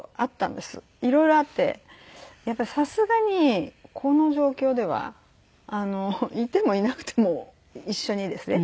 いろいろあってやっぱさすがにこの状況ではいてもいなくても一緒にですね